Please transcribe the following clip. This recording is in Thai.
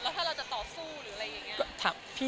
ถ้าเราจะต่อสู้หรืออะไรอย่างนี้